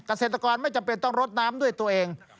เกษตรกรไม่จำเป็นต้องรดน้ำด้วยตัวเอง